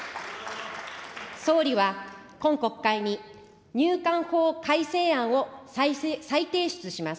総理は今国会に、入管法改正案を再提出します。